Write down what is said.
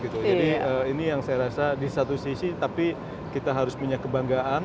jadi ini yang saya rasa di satu sisi tapi kita harus punya kebanggaan